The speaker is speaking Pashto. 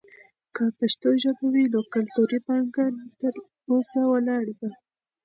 که پښتو ژبه وي، نو کلتوري پانګه تر اوسه ولاړه ده.